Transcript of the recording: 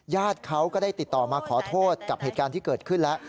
ญาติเขาก็ได้ติดต่อมาขอโทษกับเหตุการณ์ที่เกิดขึ้นแล้ว